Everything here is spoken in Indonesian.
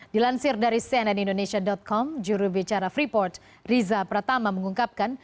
dilansir dari cnnindonesia com jurubicara freeport riza pratama mengungkapkan